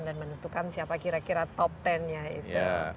dan menentukan siapa kira kira top ten nya itu